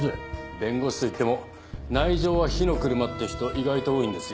弁護士といっても内情は火の車って人意外と多いんですよ。